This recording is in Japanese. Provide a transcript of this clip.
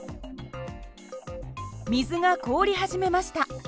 水が凍り始めました。